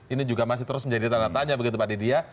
ini juga masih terus menjadi tanda tanya begitu pak didi ya